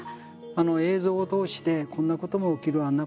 あの映像を通してこんなことも起きるあんな